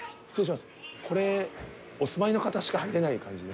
これお住まいの方しか入れない感じですか？